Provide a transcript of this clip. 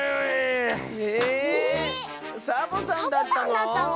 ええっサボさんだったの⁉